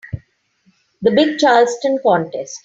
The big Charleston contest.